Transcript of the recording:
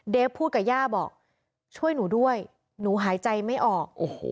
พูดกับย่าบอกช่วยหนูด้วยหนูหายใจไม่ออก